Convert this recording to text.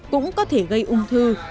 cũng có thể gây ung thư